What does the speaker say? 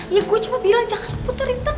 ya gue cuma bilang jangan putar intang